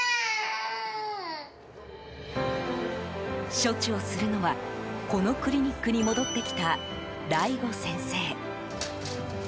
処置をするのはこのクリニックに戻ってきた醍醐先生。